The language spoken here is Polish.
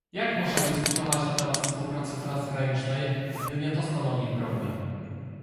Jak można dyskutować na temat współpracy transgranicznej, gdy nie to stanowi problem?